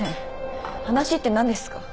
話って何ですか？